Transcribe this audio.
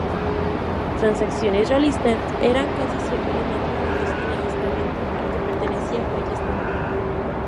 Transacciones realistas eran casi siempre los matrimonios en el estamento al que pertenecía Wallenstein.